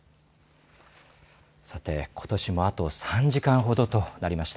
さて、ことしもあと３時間ほどとなりました。